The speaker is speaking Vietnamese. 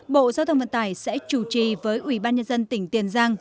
bộ giao thông vận tải sẽ chủ trì với ủy ban nhân dân tỉnh tiền giang